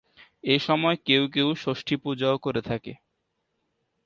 এ সময় কেউ কেউ ষষ্ঠীপূজাও করে থাকে।